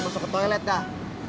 langsung ke toilet dah